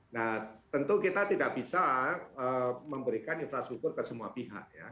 nah tentu kita tidak bisa memberikan infrastruktur ke semua pihak ya